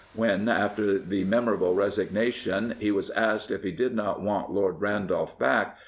When, after the memorable resignation, he was asked if he did not want Lord Randolph back.